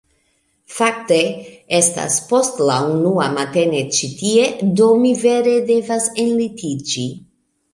Fakte estas post la unua matene ĉi tie, do mi vere devas enlitiĝi.